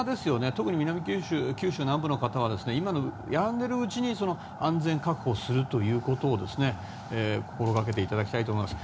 特に九州南部の方は今の、やんでいるうちに安全確保することを心掛けていただきたいと思います。